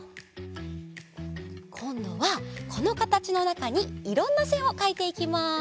こんどはこのかたちのなかにいろんなせんをかいていきます。